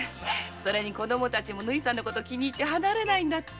それに子供たちも縫さんの事気に入って離れないって。